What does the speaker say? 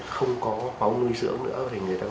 không có máu nuôi dưỡng nữa